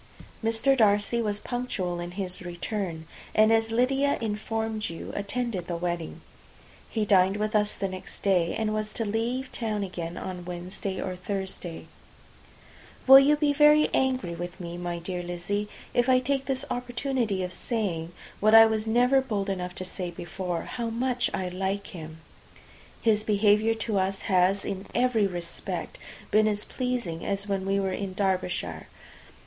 Mr. Darcy was punctual in his return, and, as Lydia imformed you, attended the wedding. He dined with us the next day, and was to leave town again on Wednesday or Thursday. Will you be very angry with me, my dear Lizzy, if I take this opportunity of saying (what I was never bold enough to say before) how much I like him? His behaviour to us has, in every respect, been as pleasing as when we were in Derbyshire.